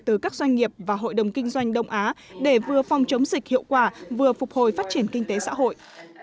từ các doanh nghiệp và hội đồng kinh doanh đông á để vừa phòng chống dịch hiệu quả vừa phục hồi phát triển kinh tế xã hội